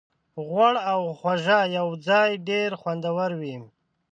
غوړ او خوږه یوځای ډېر خوندور وي.